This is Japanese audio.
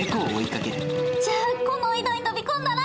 じゃあこの井戸に飛び込んだら。